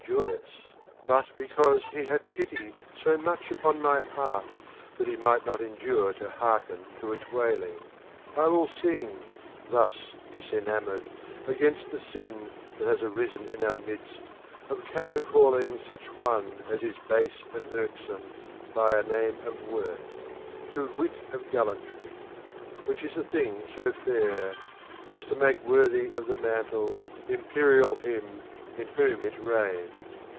THE COMPLEMENT OF ODES 405 he had pity so much upon my heart that he might not endure to hearken to its wailing, I will sing, thus disenamoured, against the sin that has arisen in our midst, of counter call ing such one as is base and irksome by a name of worth, to wit of gallantry ; which is a thing so fair As to make worthy of the mantle Imperial him in whom it reigns.